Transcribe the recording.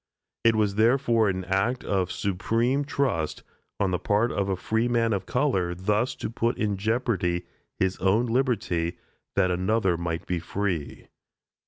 It was therefore an act of supreme trust on the part of a freeman of color thus to put in jeopardy his own liberty that another might be free.